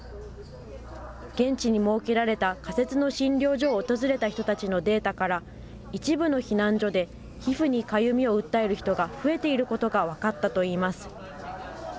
現地に設けられた仮設の診療所を訪れた人たちのデータから、一部の避難所で皮膚にかゆみを訴える人が増えていることが分かったといいます。